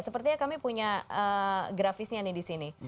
sepertinya kami punya grafisnya nih di sini